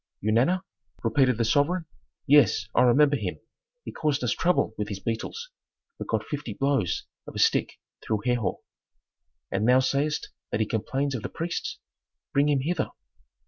"Eunana?" repeated the sovereign. "Yes, I remember him. He caused us trouble with his beetles, but got fifty blows of a stick through Herhor. And thou sayst that he complains of the priests? Bring him hither."